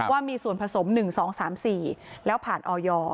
ว่ามีส่วนผสม๑๒๓๔แล้วผ่านออย